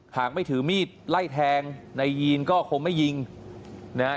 หากไม่ถือมีดไล่แทงนายยีนก็คงไม่ยิงนะฮะ